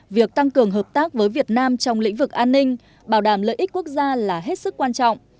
việc tăng cường hợp tác với việt nam trong lĩnh vực an ninh bảo đảm lợi ích quốc gia là hết sức quan trọng